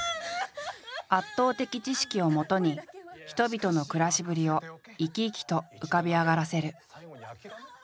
圧倒的知識をもとに人々の暮らしぶりを生き生きと浮かび上がらせる。